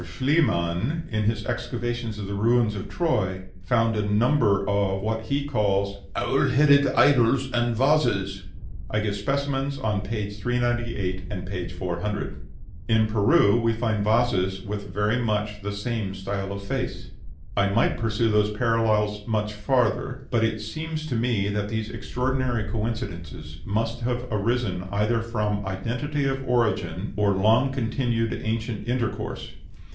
Schliemann, in his excavations of the ruins of Troy, found a number of what he calls "owl headed idols" and vases. I give specimens on page 398 and page 400. In Peru we find vases with very much the same style of face. I might pursue those parallels much farther; but it seems to me that these extraordinary coincidences must have arisen either from identity of origin or long continued ancient intercourse.